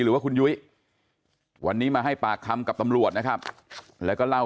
หรือว่าคุณยุ้ยวันนี้มาให้ปากคำกับตำรวจนะครับแล้วก็เล่า